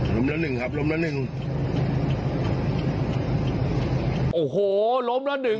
ลมละหนึ่งครับลมละหนึ่ง